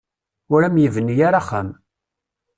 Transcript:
Ur am-yebni ara axxam.